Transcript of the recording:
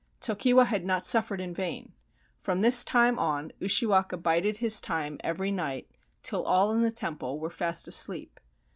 Tokiwa had not suffered in vain. From this time on, Ushiwaka bided his time every night till all in the temple were fast asleep.